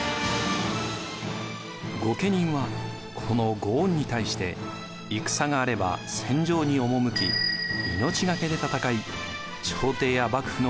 御家人はこの御恩に対して戦があれば戦場に赴き命懸けで戦い朝廷や幕府の警護にも当たりました。